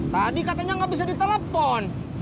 tadi katanya nggak bisa ditelepon